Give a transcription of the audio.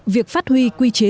việc phát huy quy chế